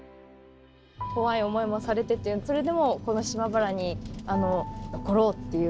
怖い思いもされててそれでもこの島原に残ろうっていう感じだったんですか？